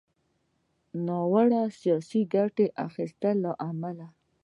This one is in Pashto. د ناوړه “سياسي ګټې اخيستنې” له امله